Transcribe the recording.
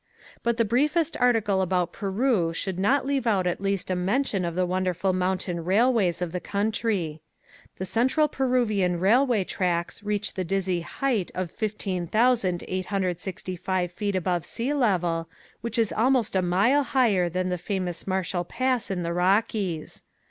But the briefest article about Peru should not leave out at least a mention of the wonderful mountain railways of the country. The Central Peruvian railway tracks reach the dizzy height of 15,865 feet above sea level, which is almost a mile higher than the famous Marshall Pass in the Rockies.